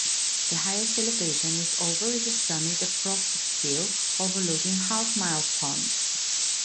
The highest elevation is over at the summit of Prospect Hill, overlooking Halfmile Pond.